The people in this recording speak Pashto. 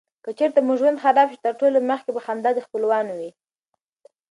که چیرته مو ژوند خراب شي تر ټولو مخکي به خندا دې خپلوانو وې.